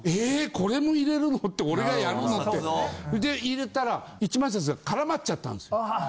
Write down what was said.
これも入れるのって俺がやるのってで入れたら１万円札が絡まっちゃったんですよ。